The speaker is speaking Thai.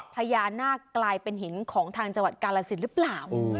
พญานาคกลายเป็นหินของทางจังหวัดกาลสินหรือเปล่า